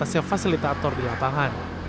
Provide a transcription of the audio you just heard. terbatasnya fasilitator di lapangan